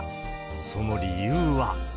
その理由は。